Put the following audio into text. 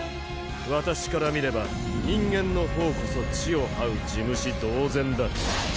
私から見れば人間の方こそ地を這う地虫同然だ。